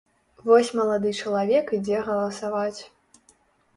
Вось малады чалавек ідзе галасаваць.